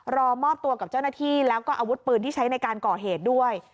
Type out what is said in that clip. รอมอบตัวกับเจ้าหน้าที่แล้วก็อาวุธปืนที่ใช้ในการก่อเหตุด้วย